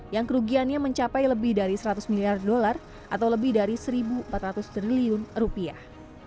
yang kerugiannya mencapai lebih dari seratus miliar dolar atau lebih dari satu empat ratus triliun rupiah